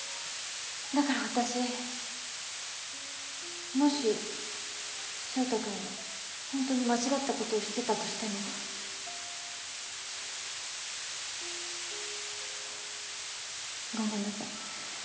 だから私もし翔太君がホントに間違ったことをしてたとしても。ごめんなさい。